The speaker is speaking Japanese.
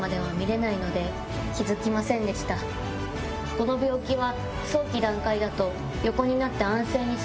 この病気は。